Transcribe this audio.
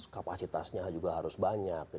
kapasitasnya juga harus banyak